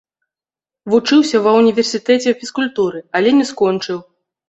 Вучыўся ва ўніверсітэце фізкультуры, але не скончыў.